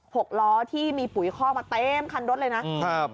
หกล้อที่มีปุ๋ยคอกมาเต็มคันรถเลยนะครับ